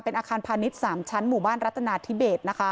อาคารพาณิชย์๓ชั้นหมู่บ้านรัฐนาธิเบส